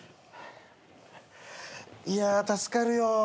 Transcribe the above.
いや助かるよ。